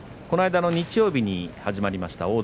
この間の日曜日に始まりました